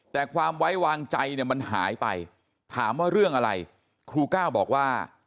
แต่ความไว้วางใจเนี่ยมันหายไปถามว่าเรื่องอะไรครูก้าวบอกว่า